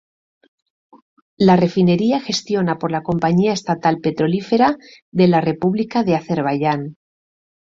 La refinería gestionа por la Compañía Estatal Petrolífera de la República de Azerbaiyán.